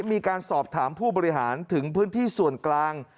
มีการสอบถามผู้บริหารถึงพื้นที่ส่วนกลาง